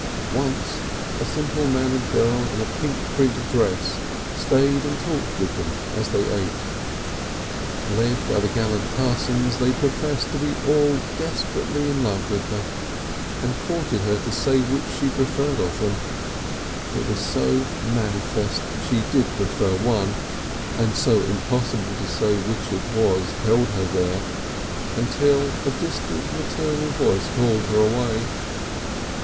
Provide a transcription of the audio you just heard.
Once a simple mannered girl in a pink print dress stayed and talked with them as they ate; led by the gallant Parsons they professed to be all desperately in love with her, and courted her to say which she preferred of them, it was so manifest she did prefer one and so impossible to say which it was held her there, until a distant maternal voice called her away.